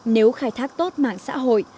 nếu khai thác tốt mạng xã hội